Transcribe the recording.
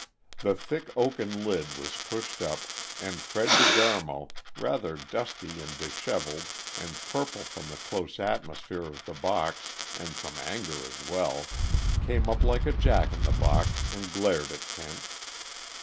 The thick, oaken lid was pushed up, and Fred De Garmo, rather dusty and disheveled and purple from the close atmosphere of the box and from anger as well, came up like a jack in the box and glared at Kent.